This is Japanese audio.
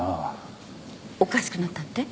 おかしくなったって？